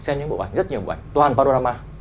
xem những bộ ảnh rất nhiều bộ ảnh toàn panorama